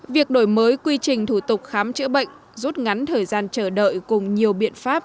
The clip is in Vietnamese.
việc đổi mới quy trình thủ tục khám chữa bệnh rút ngắn thời gian chờ đợi cùng nhiều biện pháp